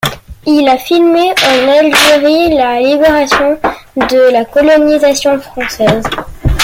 Il a filmé en Algérie la libération de la colonisation française.